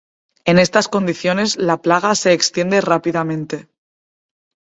En estas condiciones, la plaga se extiende rápidamente.